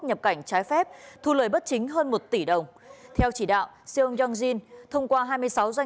nhập cảnh trái phép thu lợi bất chính hơn một tỷ đồng theo chỉ đạo xeo youngjin thông qua hai mươi sáu doanh